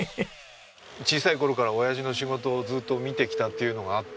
小さい頃からおやじの仕事をずっと見てきたっていうのがあって。